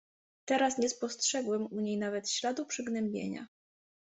"Teraz nie spostrzegłem u niej nawet śladu przygnębienia."